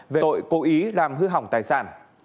về tội cố ý làm hư hỏng tài sản